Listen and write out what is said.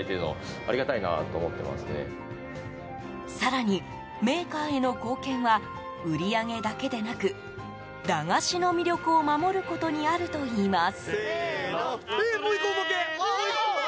更に、メーカーへの貢献は売り上げだけでなく駄菓子の魅力を守ることにあるといいます。